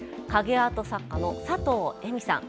アート作家の佐藤江未さん。